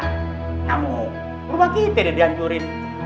kamu berubah kita deh dihancurin